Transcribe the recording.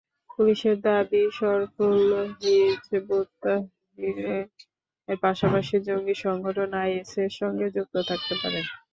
পুলিশের দাবি, শরফুল হিযবুত তাহ্রীরের পাশাপাশি জঙ্গিসংগঠন আইএসের সঙ্গে যুক্ত থাকতে পারেন।